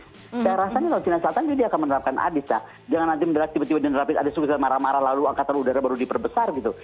saya rasa nih laut cina selatan juga dia akan menerapkan adis ya jangan nanti menerapkan adis sukses marah marah lalu angkatan udara baru diperbesar gitu